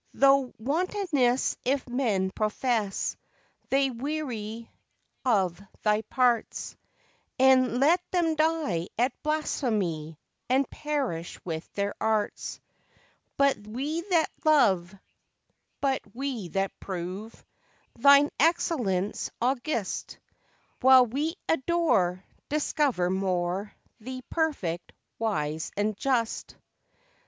_ Through wantonness if men profess They weary of Thy parts, E'en let them die at blasphemy And perish with their arts; But we that love, but we that prove Thine excellence august, While we adore discover more Thee perfect, wise, and just.